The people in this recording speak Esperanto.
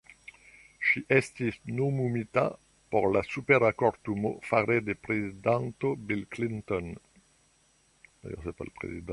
Ŝi estis nomumita por la Supera Kortumo fare de prezidanto Bill Clinton.